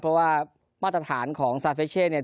เพราะว่ามาตรฐานของซาเฟชเช่เนี่ย